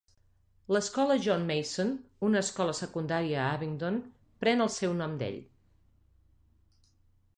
L'escola John Mason, una escola secundària a Abingdon, pren el seu nom d'ell.